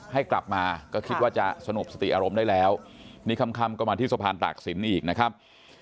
ให้กลับมาก็คิดว่าจะสงบสติอารมณ์ได้แล้วนี่ค่ำก็มาที่สะพานตากศิลป์อีกนะครับ